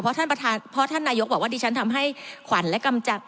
เพราะท่านประธานเพราะท่านนายกบอกว่าดิฉันทำให้ขวัญและกำจัด